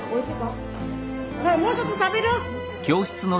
もうちょっと食べる？